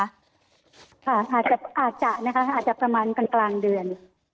อาจจะอาจจะนะคะอาจจะประมาณกลางเดือน